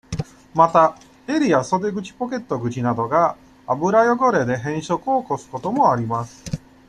また、襟や、袖口ポケット口などが、油汚れで変色を起こすこともあります。